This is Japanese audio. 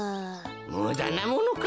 むだなものか。